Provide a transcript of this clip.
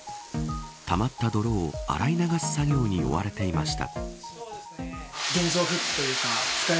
たまった泥を洗い流す作業に追われていました。